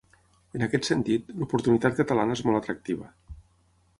En aquest sentit, l’oportunitat catalana és molt atractiva.